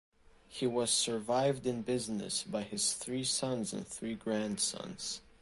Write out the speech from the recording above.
He was survived in business by his three sons and three grandsons.